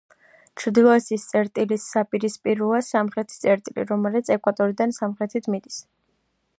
ჩრდილოეთის წერტილის საპირისპიროა სამხრეთი წერტილი, რომელიც ეკვატორიდან სამხრეთით მიდის.